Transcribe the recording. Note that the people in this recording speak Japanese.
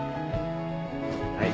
はい。